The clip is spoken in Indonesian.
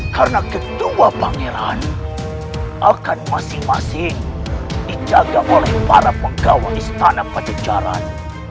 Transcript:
karena kedua pangeran akan masing masing dijaga oleh para penggawang istana pajajaran